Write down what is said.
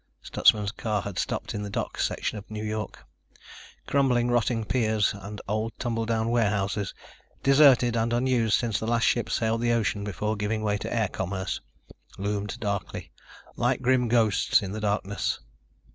Stutsman's car had stopped in the dock section of New York. Crumbling, rotting piers and old tumbledown warehouses, deserted and unused since the last ship sailed the ocean before giving way to air commerce, loomed darkly, like grim ghosts, in the darkness.